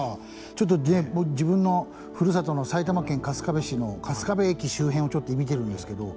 ちょっとね自分のふるさとの埼玉県春日部市の春日部駅周辺をちょっと見てるんですけど。